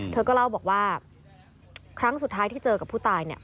เธอก็เล่าบอกว่าครั้งสุดท้ายที่เจอกับผู้ตายเนี่ย